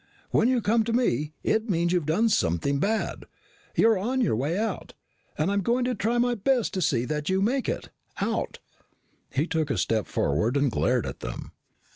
When you come to me, it means you've done something bad. You're on your way out. And I'm going to try my best to see that you make it out." He took a step forward and glared at them.